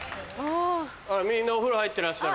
みんなお風呂入ってらっしゃる。